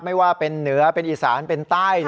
ไม่ว่าเป็นเหนือเป็นอีสานเป็นใต้